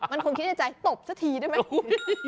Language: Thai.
มันคงคิดในใจตบสักทีได้ไหมคุณ